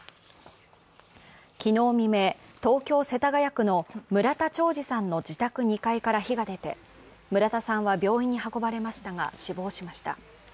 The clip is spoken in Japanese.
昨日未明、東京・世田谷区の村田兆治さんの自宅２階から火が出て、村田さんは病院に運ばれましたが死亡しました。